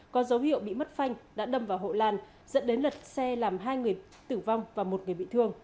có dấu hiệu bị mất phanh đã đâm vào hộ lan dẫn đến lật xe làm hai người tử vong và một người bị thương